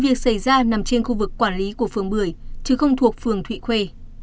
việc xảy ra nằm trên khu vực quản lý của phường bưởi chứ không thuộc phường thụy khuê